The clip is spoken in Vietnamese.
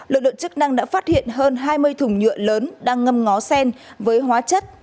lực lượng chức năng đã phát hiện hơn hai mươi thùng nhựa lớn đang ngâm ngó sen với hóa chất